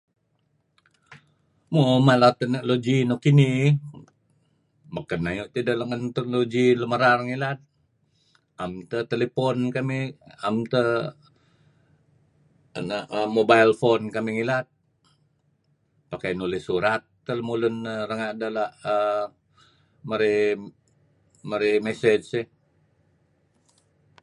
mo mala teknologi nuk kinih beken ayu tideh let ngen teknologi lun merar ngilad am teh talipon kamih am teh um mobile talipon kamih ngilad pakai nulis surat teh lemulun ranga deh la um mare' message ieh